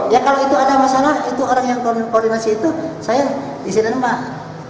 ya kalau itu ada masalah itu orang yang koordinasi itu saya disiden pak